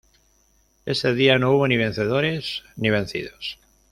Ese día no hubo ni vencedores ni vencidos.